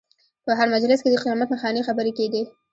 په هر مجلس کې د قیامت نښانې خبرې کېدې.